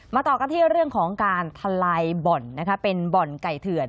ต่อกันที่เรื่องของการทลายบ่อนนะคะเป็นบ่อนไก่เถื่อน